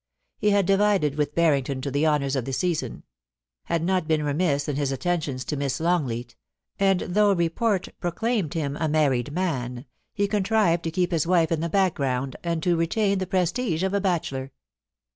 He had divided with Barrington the honours of the season ; had not been remiss in his attentions to Miss Longleat ; and though it port proclaimed him a married man, he contrived to keep his wife in the background and to retain the prestige of a bachelor.